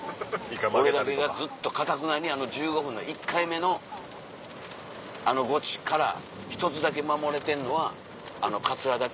俺だけがずっとかたくなにあの１５分の１回目のあのゴチから１つだけ守れてんのはあのカツラだけ。